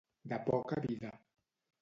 De poca vida.